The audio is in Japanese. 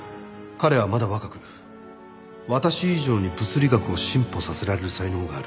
「彼はまだ若く私以上に物理学を進歩させられる才能がある」